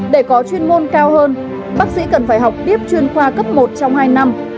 để có chuyên môn cao hơn bác sĩ cần phải học tiếp chuyên khoa cấp một trong hai năm